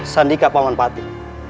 sandi kak paman pati